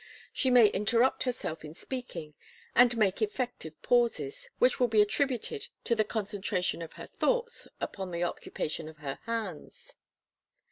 She may interrupt herself in speaking, and make effective pauses, which will be attributed to the concentration of her thoughts upon the occupation of her hands.